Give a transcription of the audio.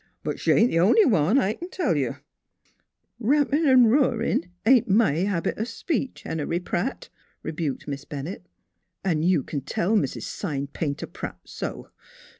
But she ain't th' only one, I c'n tell you !"" Rampin' an' roarin' ain't my habit o' speech, Henery Pratt," rebuked Miss Bennett. " An' you c'n tell Mis' Sign Painter Pratt so.